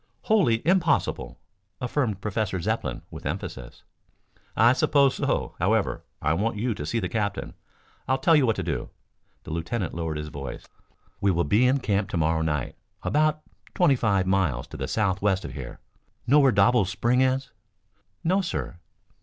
"Wholly impossible," affirmed Professor Zepplin with emphasis. "I suppose so. However, I want you to see the captain. I'll tell you what to do." The lieutenant lowered his voice. "We will be in camp to morrow night about twenty five miles to the southwest of here. Know where Doble's Spring is?" "No, sir."